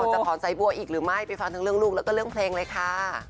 จะถอนสายบัวอีกหรือไม่ไปฟังทั้งเรื่องลูกแล้วก็เรื่องเพลงเลยค่ะ